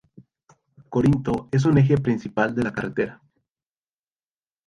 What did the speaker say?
Corinto es un eje principal de la carretera.